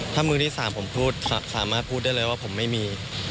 ถ้ามือที่๓ผมพูดสามารถพูดได้เลยว่าผมไม่มี